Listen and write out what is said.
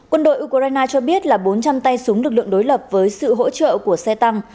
quân đội ukraine cho biết là bốn trăm linh tay súng lực lượng đối lập với sự hỗ trợ của xe tăng